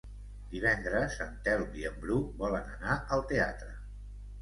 Divendres en Telm i en Bru volen anar al teatre.